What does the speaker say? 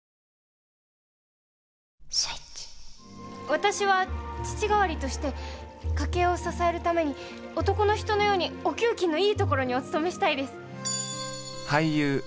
私は父代わりとして家計を支えるために男の人のようにお給金のいい所にお勤めしたいです。